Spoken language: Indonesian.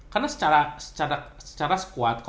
karena secara secara secara secara squad